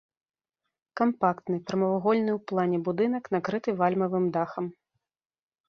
Кампактны прамавугольны ў плане будынак накрыты вальмавым дахам.